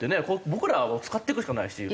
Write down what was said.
僕らは使っていくしかないし。